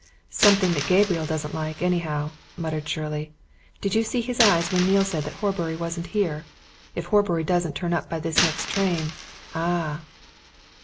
"Something that Gabriel doesn't like, anyhow," muttered Shirley. "Did you see his eyes when Neale said that Horbury wasn't here? If Horbury doesn't turn up by this next train ah!"